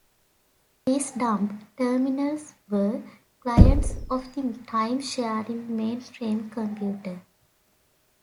These dumb terminals were clients of the time-sharing mainframe computer.